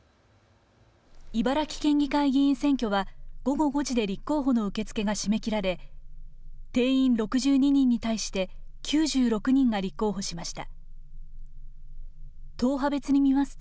茨城県議会議員選挙は午後５時で立候補の受け付けが締め切られ定員６２人に対して９６人が立候補しました。